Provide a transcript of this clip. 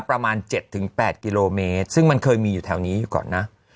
ประมาณ๗๘กิโลเมตรซึ่งมันเคยมีอยู่แถวนี้อยู่ก่อนนะ